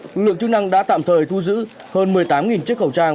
nguyên liệu chức năng đã tạm thời thu giữ hơn một mươi tám chiếc khẩu trang